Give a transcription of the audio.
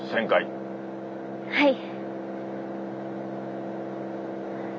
はい。